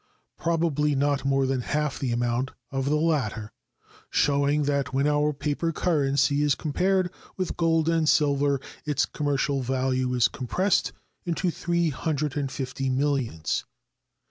Probably not more than half the amount of the latter, showing that when our paper currency is compared with gold and silver its commercial value is compressed into three hundred and fifty millions.